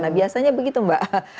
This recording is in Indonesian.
nah biasanya begitu mbak